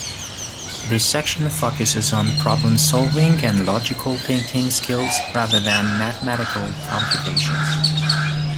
This section focuses on problem solving and logical thinking skills rather than mathematical computation.